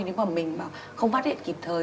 nếu mà mình không phát hiện kịp thời